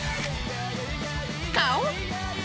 ［顔］